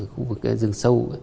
khu vực rừng sâu